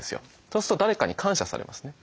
そうすると誰かに感謝されますね。